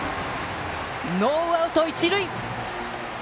ノーアウト、一塁！